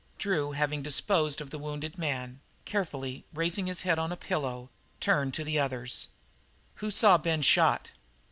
Drew, having disposed of the wounded man, carefully raising his head on a pillow, turned to the others. "Who saw Ben shot?"